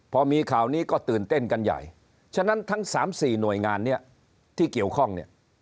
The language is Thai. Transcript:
พอมีข่าวนี้ก็ตื่นเต้นกันใหญ่ฉะนั้นทั้ง๓๔หน่วยงานเนี่ยที่เกี่ยวข้องเนี่ย